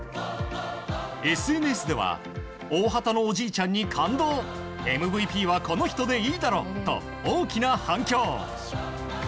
ＳＮＳでは大旗のおじいちゃんに感動ＭＶＰはこの人でいいだろと大きな反響。